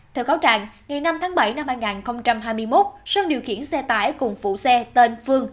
theo cáo trạng ngày năm tháng bảy năm hai nghìn hai mươi một sơn điều khiển xe tải cùng phụ xe tên phương